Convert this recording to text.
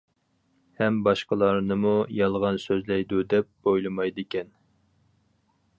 ھەم باشقىلارنىمۇ يالغان سۆزلەيدۇ دەپ ئويلىمايدىكەن.